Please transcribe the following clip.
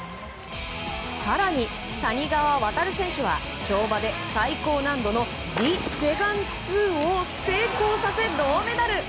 更に、谷川航選手は跳馬で最高難度のリ・セグァン２を成功させ銅メダル。